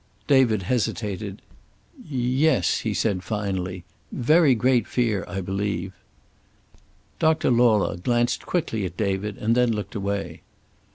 David hesitated. "Yes," he said finally. "Very great fear, I believe." Doctor Lauler glanced quickly at David and then looked away.